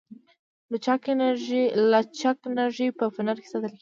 لچک انرژي په فنر کې ساتل کېږي.